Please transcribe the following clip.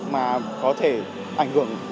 mà có thể gây ảnh hưởng đến mình